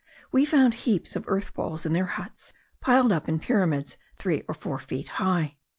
We found heaps of earth balls in their huts, piled up in pyramids three or four feet high.